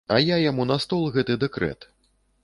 А я яму на стол гэты дэкрэт.